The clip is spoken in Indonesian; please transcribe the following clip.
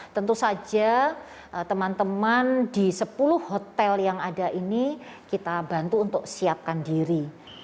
tentu saja teman teman di sepuluh hotel yang ada ini kita bantu untuk siapkan diri